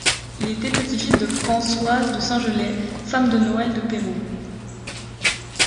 Il était petit-fils de Françoise de Saint-Gelais, femme de Noël de Peraut.